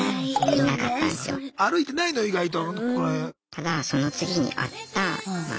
ただその次に会ったまあ